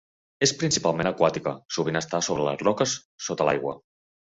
És principalment aquàtica, sovint està sobre les roques sota l'aigua.